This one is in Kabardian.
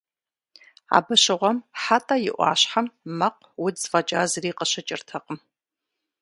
Абы щыгъуэм Хьэтӏэ и ӏуащхьэм мэкъу, удз фӏэкӏа зыри къыщыкӏыртэкъым.